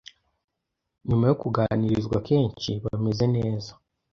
nyuma yo kuganirizwa kenshi bameze neza